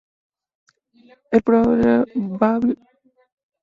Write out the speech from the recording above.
El problema limítrofe no se resolvió por el momento.